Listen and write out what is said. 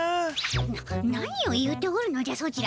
な何を言うておるのじゃソチら。